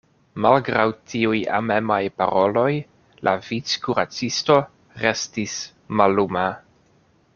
Malgraŭ tiuj amemaj paroloj, la vickuracisto restis malluma.